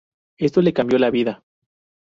Esto le cambió la vida.